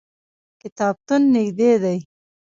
کتابتون نږدې دی